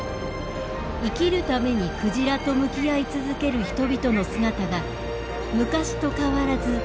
生きるために鯨と向き合い続ける人々の姿が昔と変わらずここにある。